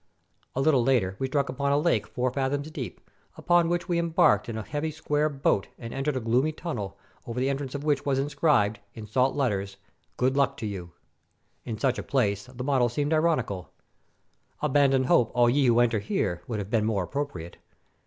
A little farther we struck upon a lake four fathoms deep, upon which we embarked in a heavy square boat and entered a gloomy tunnel, over the entrance of which 372 THE SALT MINES OF WIELICZKA was inscribed (in salt letters), "Good luck to you!" In such a place the motto seemed ironical. "Abandon hope, all ye who enter here," would have been more appropriate.